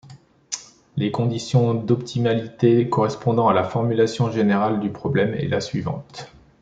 La condition d'optimalité correspondant à la formulation générale du problème est la suivante.